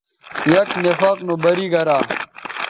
یک نفاق نو بری گرا